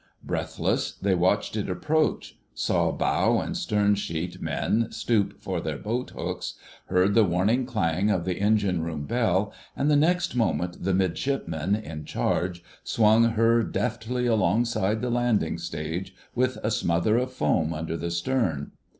Breathless, they watched it approach, saw bow and stern sheet men stoop for their boat hooks, heard the warning clang of the engine room bell, and the next moment the Midshipman in charge swung her deftly alongside the landing stage with a smother of foam under the stern.